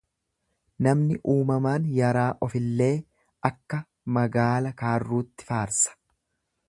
Namni uumamaan yaraa ofillee akka magaala kaarrutti faarsa.